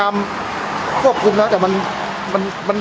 เมื่อ